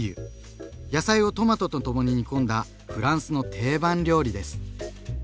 野菜をトマトとともに煮込んだフランスの定番料理です。